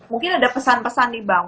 mungkin ada pesan pesan nih bang